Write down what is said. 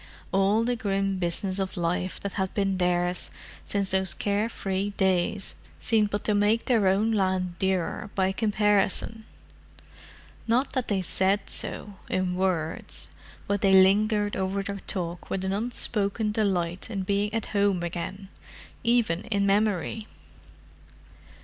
All the grim business of life that had been theirs since those care free days seemed but to make their own land dearer by comparison. Not that they said so, in words. But they lingered over their talk with an unspoken delight in being at home again—even in memory.